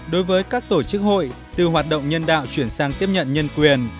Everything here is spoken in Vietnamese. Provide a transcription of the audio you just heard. đối với các tổ chức hội từ hoạt động nhân đạo chuyển sang tiếp nhận nhân quyền